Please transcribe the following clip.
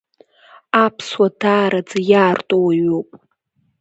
Аԥсуа даараӡа иаарту уаҩуп…